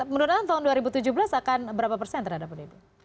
menurut anda tahun dua ribu tujuh belas akan berapa persen terhadap ini